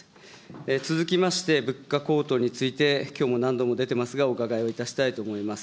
続きまして、物価高騰について、きょうも何度も出てますが、お伺いいたしたいと思います。